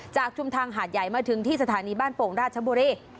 ชุมทางหาดใหญ่มาถึงที่สถานีบ้านโป่งราชบุรี